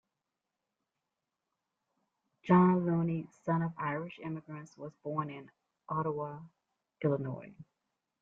John Looney, son of Irish immigrants, was born in Ottawa, Illinois.